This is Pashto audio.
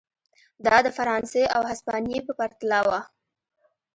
دا د فرانسې او هسپانیې په پرتله و.